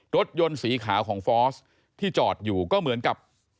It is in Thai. รถยนต์สีขาวของฟอสที่จอดอยู่ก็เหมือนกับ